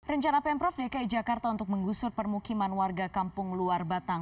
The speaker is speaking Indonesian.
rencana pemprov dki jakarta untuk menggusur permukiman warga kampung luar batang